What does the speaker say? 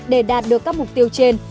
để đạt được các mục tiêu trên